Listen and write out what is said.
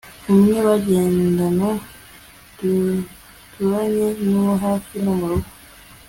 umwe bagendana duturanye nuwo hafi no murugo